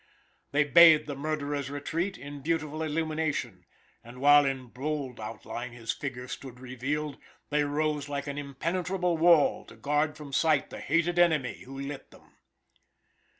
They bathed the murderer's retreat in beautiful illumination, and while in bold outline his figure stood revealed, they rose like an impenetrable wall to guard from sight the hated enemy who lit them.